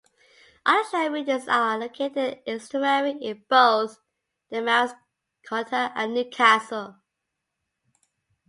Other shell middens are located on the estuary in both Damariscotta and Newcastle.